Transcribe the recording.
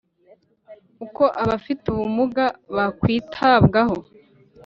uko abafite ubumuga bakwitabwaho